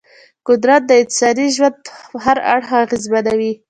قدرت د انساني ژوند هر اړخ اغېزمنوي.